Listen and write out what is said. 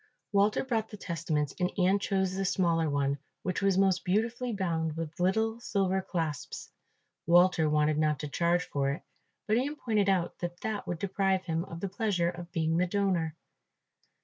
Walter brought the testaments and Ian chose the smaller one, which was most beautifully bound with little silver clasps. Walter wanted not to charge for it, but Ian pointed out that that would deprive him of the pleasure of being the donor.